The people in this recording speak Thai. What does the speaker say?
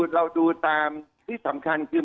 เราดูตามที่สำคัญคือ